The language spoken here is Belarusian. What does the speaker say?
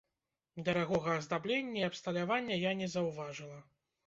Дарагога аздаблення і абсталявання я не заўважыла.